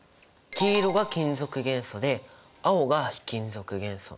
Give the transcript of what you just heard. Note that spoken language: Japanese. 黄色が金属元素で青が非金属元素。